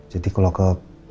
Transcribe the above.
jadi kalau ke